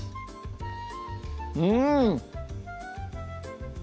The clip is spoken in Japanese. うん！